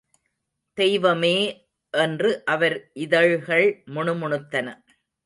தெய்வமே! என்று அவர் இதழ்கள் முணுமுணுத்தன.